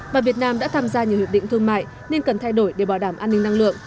và việt nam đã tham gia nhiều hiệp định thương mại nên cần thay đổi để bảo đảm an ninh năng lượng